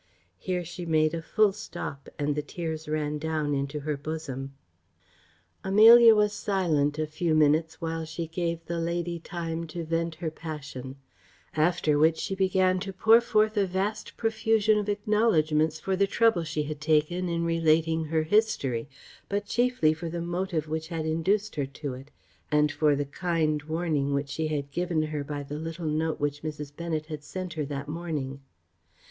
Here she made a full stop, and the tears ran down into her bosom. Amelia was silent a few minutes, while she gave the lady time to vent her passion; after which she began to pour forth a vast profusion of acknowledgments for the trouble she had taken in relating her history, but chiefly for the motive which had induced her to it, and for the kind warning which she had given her by the little note which Mrs. Bennet had sent her that morning.